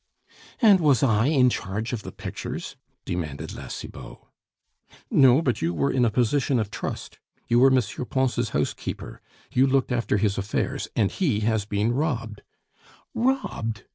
"And was I in charge of the pictures?" demanded La Cibot. "No; but you were in a position of trust. You were M. Pons' housekeeper, you looked after his affairs, and he has been robbed " "Robbed!